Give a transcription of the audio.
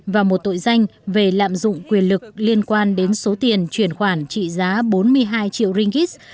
và một tội danh về lạm dụng quyền lực liên quan đến số tiền chuyển khoản trị giá bốn mươi hai triệu ringgit